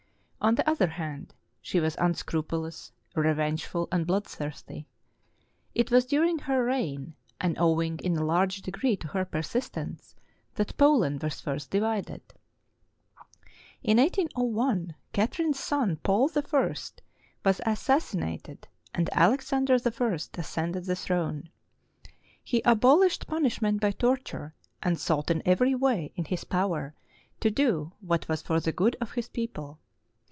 On the other hand, she was imscrupulous, revengeful, and blood thirsty. It was during her reign, and owing in a large degree to her persistence, that Poland was first divided. In 1801, Catherine's son, Paul I, was assassinated and Alexander I ascended the throne. He abolished punish ment by torture, and sought in every way in his power to do what was for the good of his people.